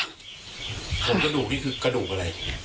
กระดูกนี่คือกระดูกอะไร